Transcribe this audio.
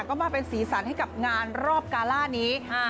ก็มาเป็นสีสันให้กับงานรอบการ่านี้